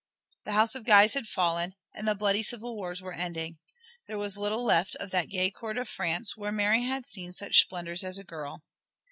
The house of Guise had fallen, and the bloody civil wars were ending. There was little left of that gay court of France where Mary had seen such splendors as a girl.